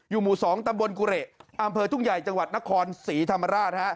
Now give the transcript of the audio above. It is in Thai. หมู่๒ตำบลกุเหระอำเภอทุ่งใหญ่จังหวัดนครศรีธรรมราช